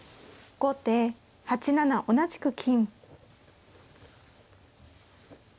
先手８七同じく玉。